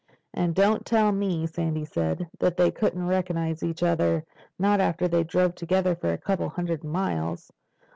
"And don't tell me," Sandy said, "that they couldn't recognize each other—not after they drove together for a couple of hundred miles."